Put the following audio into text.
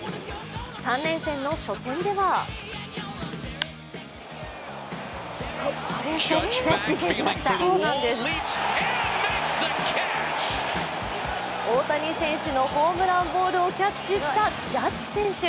３連戦の初戦では大谷選手のホームランボールをキャッチしたジャッジ選手。